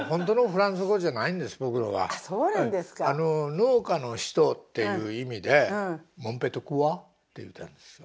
農家の人っていう意味でモンペトクワって言うたんですよ。